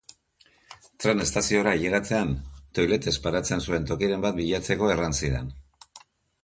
Tren estaziora ailegatzean, toilettes paratzen zuen tokiren bat bilatzeko erran zidan.